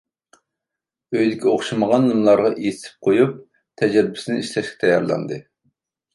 ئۆيدىكى ئوخشىمىغان لىملارغا ئېسىپ قويۇپ، تەجرىبىسىنى ئىشلەشكە تەييارلاندى.